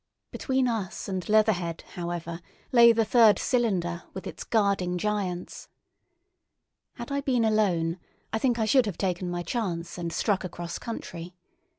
Between us and Leatherhead, however, lay the third cylinder, with its guarding giants. Had I been alone, I think I should have taken my chance and struck across country.